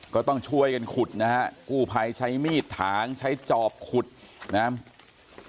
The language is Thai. ขี่หางใช้จอบขุดนะครับ